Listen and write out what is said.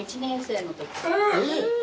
えっ！